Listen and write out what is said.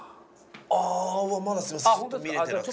あまだすいません見れてなくて。